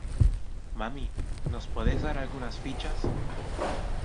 ¿ Mami, nos podes dar algunas fichas?